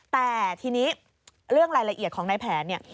แต่ทีนี้เรื่องรายละเอียดของนายแผนเนี่ย